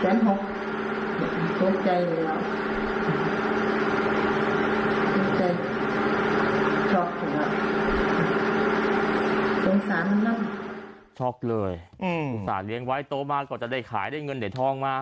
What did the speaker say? ช็อคช็อคเลยอืมอุตส่าห์เลี้ยงไว้โตมากกว่าจะได้ขายได้เงินเด็ดทองมา